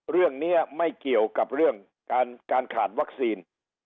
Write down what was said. เรื่องนี้ไม่เกี่ยวกับเรื่องการขาดวัคซีน